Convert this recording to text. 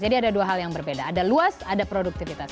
jadi ada dua hal yang berbeda ada luas ada produktivitas